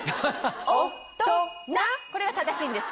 これが正しいんです。